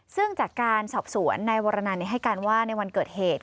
ซึ่งจากการสอบสวนนายวรนันให้การว่าในวันเกิดเหตุ